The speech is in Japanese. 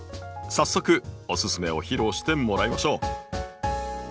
早速おススメを披露してもらいましょう。